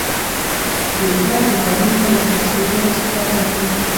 دوی باید له کانونو لکه سرو زرو استفاده وکړي